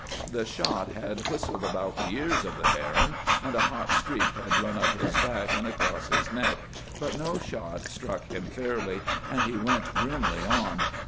The shot had whistled about the ears of the Baron, and a hot streak had run up his back and across his neck, but no shot struck him fairly, and he went grimly on.